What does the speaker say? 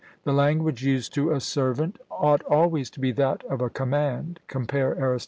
The language used to a servant ought always to be that of a command (compare Arist.